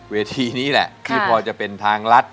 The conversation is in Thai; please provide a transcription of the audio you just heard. นี่แหละที่พอจะเป็นทางรัฐ